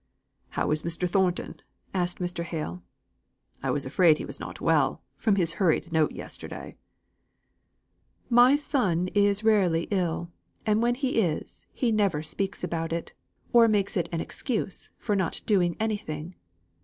"How is Mr. Thornton?" asked Mr. Hale. "I was afraid he was not well, from his hurried note yesterday." "My son is rarely ill; and when he is, he never speaks about it, or makes it an excuse for not doing anything.